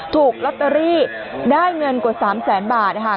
ถูกลอตเตอรี่ได้เงินกว่า๓แสนบาทนะคะ